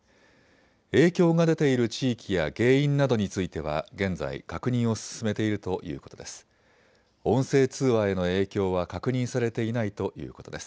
影響が出ている地域や原因などについては現在、確認を進めているということです。